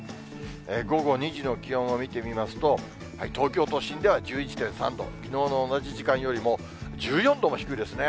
午後２時の気温を見てみますと、東京都心では１１．３度、きのうの同じ時間よりも１４度も低いですね。